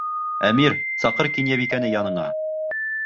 Әмир, саҡыр Кинйәбикәне яныңа!